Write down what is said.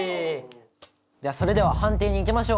じゃあそれでは判定にいきましょう。